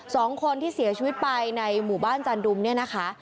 สองคนที่เสียชีวิตไปในหมู่บ้านจานดุมเนี่ยนะคะ